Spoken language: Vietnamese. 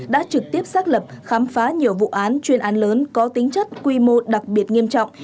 đã trực tiếp xác lập khám phá nhiều vụ án chuyên án lớn có tính chất quy mô đặc biệt nghiêm trọng